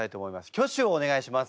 挙手をお願いします。